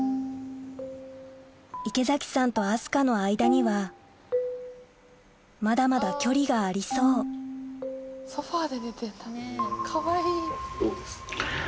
池崎さんと明日香の間にはまだまだ距離がありそうソファで寝てんだかわいい。